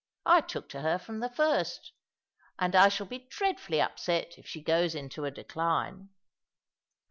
I took to her from the first ; and I shall be dreadfully upset if she goes into a decline."